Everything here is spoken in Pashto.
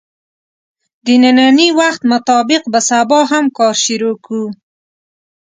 د نني وخت مطابق به سبا هم کار شروع کوو